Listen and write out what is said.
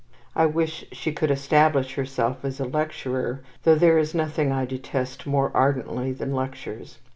I wish she could establish herself as a lecturer, though there is nothing I detest more ardently than lectures.